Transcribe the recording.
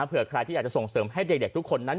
ใครที่อยากจะส่งเสริมให้เด็กทุกคนนั้น